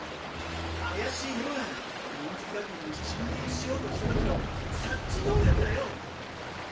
あやしいものが忍術学園に侵入しようとした時の察知能力だよ！